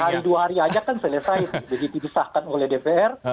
hari dua hari aja kan selesai begitu disahkan oleh dpr